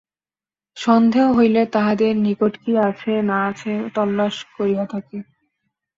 সন্দেহ হইলে তাঁহাদের নিকট কি আছে না আছে, তল্লাস করিয়া থাকি।